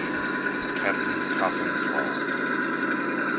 CAPTAIN COFFIN'S LOG.